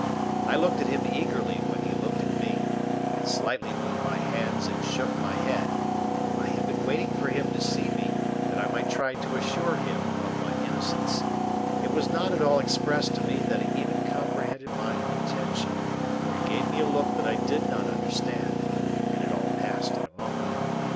I looked at him eagerly when he looked at me, and slightly moved my hands and shook my head. I had been waiting for him to see me that I might try to assure him of my innocence. It was not at all expressed to me that he even comprehended my intention, for he gave me a look that I did not understand, and it all passed in a moment.